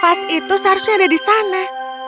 pas itu seharusnya ada di sana